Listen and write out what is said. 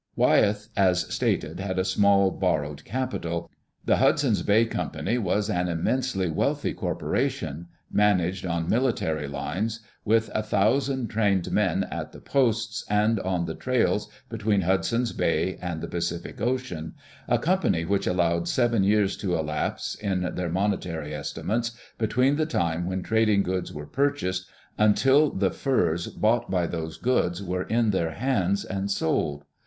Wyeth, as stated, had a small borrowed capital. The Hudson's Bay Company was an immensely wealthy corporation, managed on £246] Digitized by CjOOQ IC BRIEF HISTORY FROM ORIGINAL SOURCES military lines, with a thousand trained men at the posts and on the trails between Hudson's Bay and the Pacific Ocean, a company which allowed seven years to elapse, in their monetary estimates, between the time when trading goods were purchased until the furs bought by those goods were in their hands and sold.